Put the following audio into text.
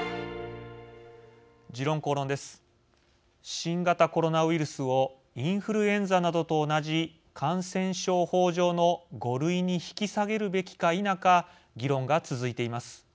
新型コロナウイルスをインフルエンザなどと同じ感染症法上の５類に引き下げるべきか否か議論が続いています。